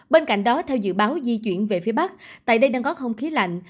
bên cạnh đó theo dự báo di chuyển về phía bắc tại đây đang có không khí lạnh